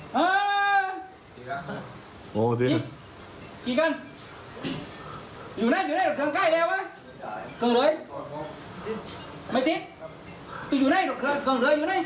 ไม่ติดอยู่นั่นเครื่องเหลืออยู่นั่น